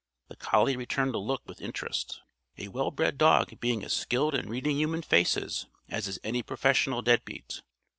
The collie returned the look with interest; a well bred dog being as skilled in reading human faces as is any professional dead beat.